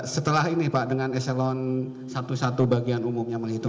setelah ini pak dengan s satu bagian umumnya menghitung